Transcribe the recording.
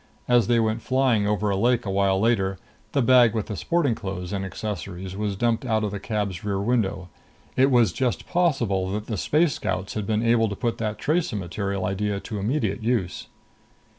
As they went flying over a lake a while later, the bag with the sporting clothes and accessories was dumped out of the cab's rear window. It was just possible that the Space Scouts had been able to put that tracer material idea to immediate use.